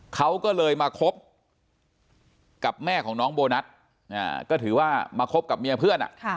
เขาก็เลยมาคบกับแม่ของน้องโบนัสก็ถือว่ามาคบกับเมียเพื่อน